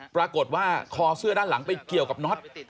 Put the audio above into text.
ปรากฏว่าคอเสื้อด้านหลังไปเกี่ยวกับน็อต